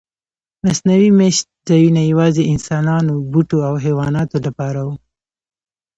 مصنوعي میشت ځایونه یواځې انسانانو، بوټو او حیواناتو لپاره و.